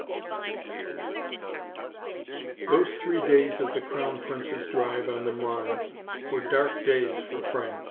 3 Those three days of the Crown Prince's drive on the Marne were dark days for France.